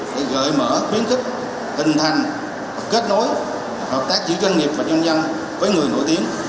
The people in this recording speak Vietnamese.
để gợi mở khuyến khích hình thành kết nối hợp tác giữa doanh nghiệp và nhân dân với người nổi tiếng